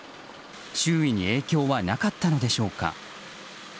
周囲に影響はなかったのでしょうか。